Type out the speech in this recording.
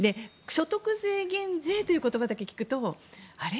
所得税減税という言葉だけ聞くとあれ？